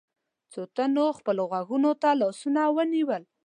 څو تنو خپلو غوږونو ته لاسونه ونيول.